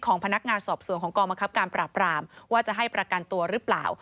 พนักงานสอบสวนของกองบังคับการปราบรามว่าจะให้ประกันตัวหรือเปล่า